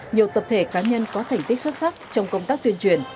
nhiều tập thể cá nhân có thành tích xuất sắc trong công tác tuyên truyền